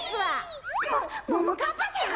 もももかっぱちゃん？